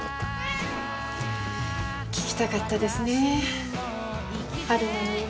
聞きたかったですね春菜の夢。